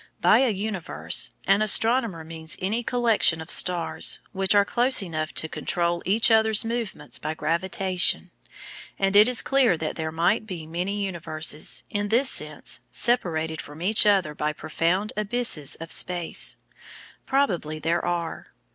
By a universe an astronomer means any collection of stars which are close enough to control each other's movements by gravitation; and it is clear that there might be many universes, in this sense, separated from each other by profound abysses of space. Probably there are.